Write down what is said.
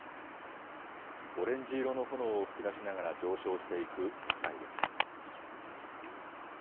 オレンジ色の炎を噴き出しながら上昇していくミサイル。